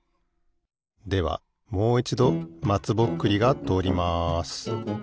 ではもういちどまつぼっくりがとおります。